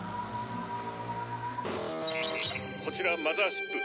「こちらマザーシップ。